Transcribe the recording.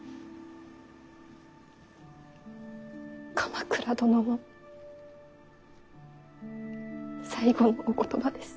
鎌倉殿の最後のお言葉です。